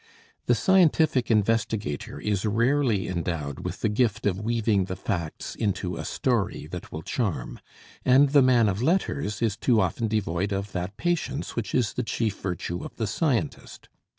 The scientific investigator is rarely endowed with the gift of weaving the facts into a story that will charm, and the man of letters is too often devoid of that patience which is the chief virtue of the scientist.